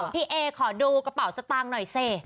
พี่เอขอดูกระเป๋าสตางค์หน่อยสิ